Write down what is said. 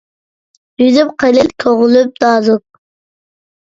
يۈزۈم قېلىن، كۆڭلۈم نازۇك.